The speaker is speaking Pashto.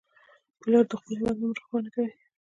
پیلوټ د خپل هیواد نوم روښانه کوي.